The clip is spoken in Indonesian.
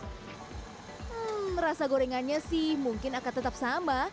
hmm rasa gorengannya sih mungkin akan tetap sama